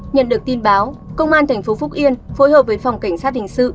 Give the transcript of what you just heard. nhận được tin báo công an thành phố phúc yên phối hợp với phòng cảnh sát hình sự